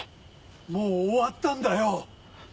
もう終わったんだよ。